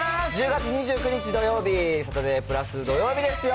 １０月２９日土曜日、サタデープラス、土曜日ですよ。